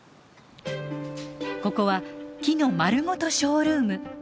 ここは木のまるごとショールーム。